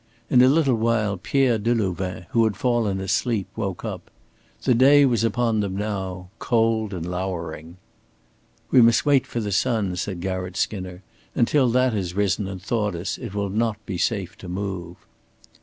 In a little while Pierre Delouvain, who had fallen asleep, woke up. The day was upon them now, cold and lowering. "We must wait for the sun," said Garratt Skinner. "Until that has risen and thawed us it will not be safe to move."